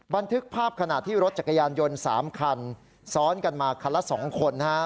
บันทึกภาพขณะที่รถจักรยานยนต์๓คันซ้อนกันมาคันละ๒คน